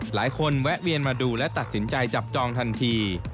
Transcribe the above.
แวะเวียนมาดูและตัดสินใจจับจองทันที